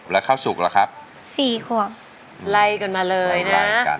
แล้วเข้าสุกละครับ๔ขวบไล่กันมาเลยนะไล่กัน